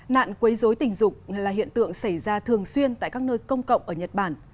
nạn quấy dối tình dục là hiện tượng xảy ra thường xuyên tại các nơi công cộng ở nhật bản